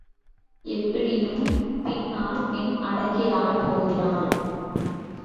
எப்படியும் பின்னால் பெண் அடக்கியாளப் போகிறாள்.